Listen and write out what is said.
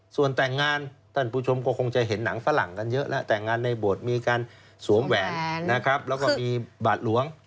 ส่วนแต่งงานท่านผู้ชมก็คงจะเห็นหนังฝรั่งกันเยอะแล้วแต่งงานในโบสถ์มีการสวมแหวนนะครับแล้วก็มีบาทหลวง